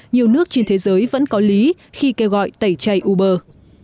nhiều nước trên thế giới vẫn có lý khi kêu gọi tẩy chay uber